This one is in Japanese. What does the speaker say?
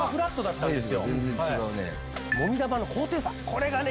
これがね